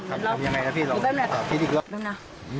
อย่างไรนะพี่เราอย่าเป็นพี่ดีกว่า